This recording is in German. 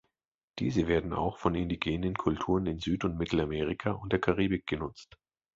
Diese werden auch von indigenen Kulturen in Süd- und Mittelamerika und der Karibik genutzt.